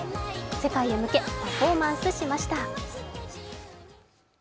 世界へ向けパフォーマンスしました。